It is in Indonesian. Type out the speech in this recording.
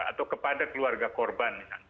atau kepada keluarga korban